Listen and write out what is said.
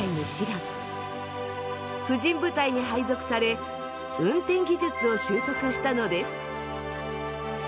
婦人部隊に配属され運転技術を習得したのです。